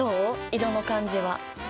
色の感じは？